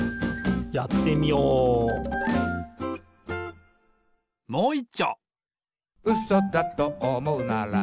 やってみようもういっちょ！